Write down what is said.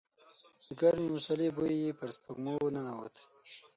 د ګرمې مسالې بوی يې پر سپږمو ننوت.